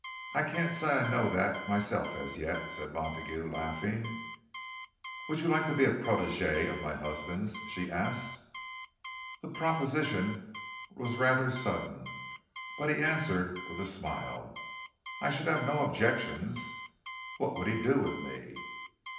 "I can't say I know that myself as yet," said Montague, laughing. "Would you like to be a protégé of my husband's?" she asked. The proposition was rather sudden, but he answered, with a smile, "I should have no objections. What would he do with me?"